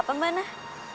ada apa mba nah